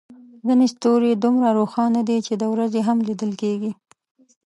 ځینې ستوري دومره روښانه دي چې د ورځې هم لیدل کېږي.